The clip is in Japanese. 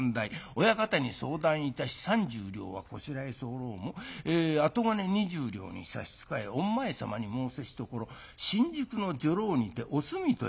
親方に相談いたし３０両はこしらえ候も後金２０両に差し支えおん前さまに申せしところ新宿の女郎にておすみとやらを』。